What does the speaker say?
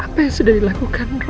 apa yang sudah dilakukan